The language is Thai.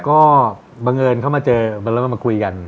ก็บังเอิญเข้ามาเจอแล้วก็มาคุยกัน